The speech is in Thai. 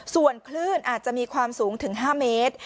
ส่วนคลื่นอาจจะมีความสูงถึง๕เมตร